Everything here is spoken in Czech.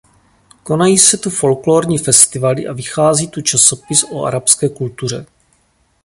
Konají se tu folklorní festivaly a vychází tu časopis o arabské kultuře.